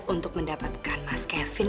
untuk mendapatkan mas kevin